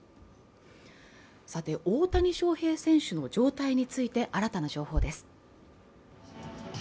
さて、大谷翔平選手の状態について新たな情報です。